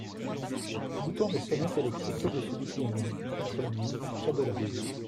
Bouton de sonnette électrique au-dessus du piano, contre le mur, près de la baie.